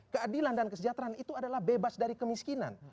keadilan dan kesejahteraan itu adalah bebas dari kemiskinan